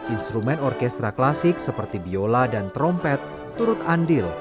instrumen orkestra klasik seperti biola dan trompet turut andil